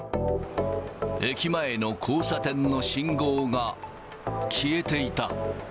駅前の交差点の信号が消えていた。